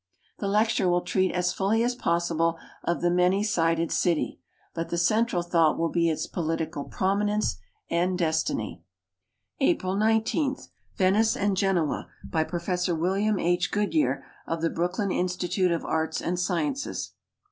The lecture will treat as fully as possible of the many sided city, but the central thought will be its political prominence and destiny. April 19. Venice and Genoa, by Prof William H. Goodyear, of the Brooklyn Institute of Arts and Sciences.